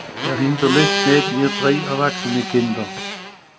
Er hinterlässt neben ihr drei erwachsene Kinder.